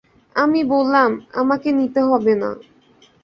আমি বললাম, আমাকে নিতে হবে না।